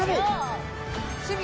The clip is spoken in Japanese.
趣味！